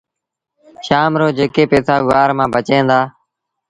شآم رو جيڪي پئيٚسآ گُوآر مآݩ بچيٚن دآ